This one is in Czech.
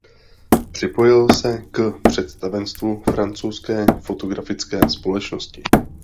Připojil se k představenstvu Francouzské fotografické společnosti.